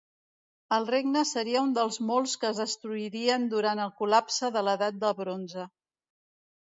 El regne seria un dels molts que es destruirien durant el col·lapse de l'edat del bronze.